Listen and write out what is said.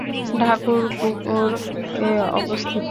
ঠাকুরপুকুর এ অবস্থিত।